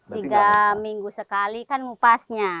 tiga minggu sekali kan ngupasnya